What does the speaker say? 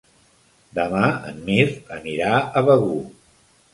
Demà en Mirt anirà a Begur.